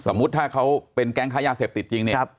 สมมุติถ้าเขาเป็นแก๊งค้ายาเสพติดจริงเนี่ย